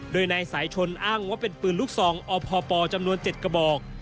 โดยนายสายชนอ้างว่าเป็นปืนลูกซองอพปจำนวน๗กระบอก